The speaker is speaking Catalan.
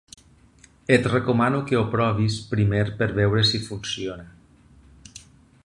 Et recomano que ho provis primer per veure si funciona.